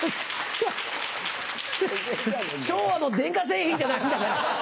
昭和の電化製品じゃないんだから。